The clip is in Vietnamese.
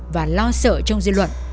và lo sợ trong dư luận